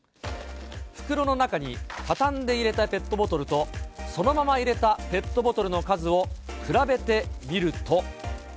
袋の中に畳んで入れたペットボトルとそのまま入れたペットボトルの数を比べてみると。